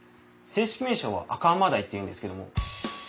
正式名称は赤甘ダイっていうんですけども。